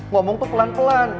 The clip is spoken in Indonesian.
ngomong tuh pelan pelan